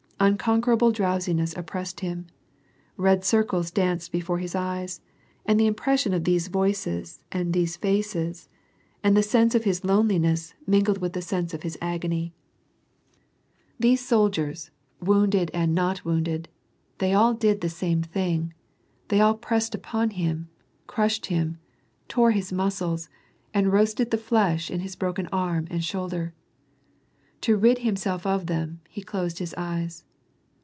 Unconquerable drowsiness oppressed him. Ked circles danced before his eyes, and the impression of these voices and these faces, and the • Golubchik, WAR AND PEACE. 239 sense of his loneliness mingled with the sense of his agony. These soldiers, wounded and not wounded, they all did the same thing — they all pressed upon him, crushed him, tore his muscles, and roasted the flesh in his broken arm and shoulder. To rid himself of them, he closed his eyes.